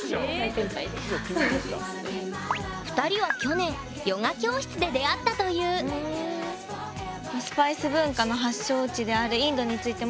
２人は去年ヨガ教室で出会ったというああなるほど。